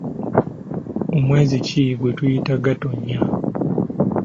Omwezi ki gwetuyita Gatonnya?